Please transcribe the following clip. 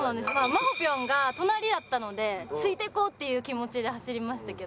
まほぴょんが隣やったのでついて行こうって気持ちで走りましたけど。